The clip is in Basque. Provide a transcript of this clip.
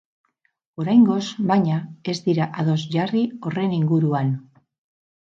Oraingoz, baina, ez dira ados jarri horren inguruan.